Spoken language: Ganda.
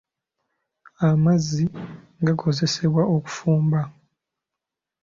Amazzi gakozesebwa okufumba.